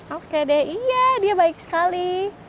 oke deh iya dia baik sekali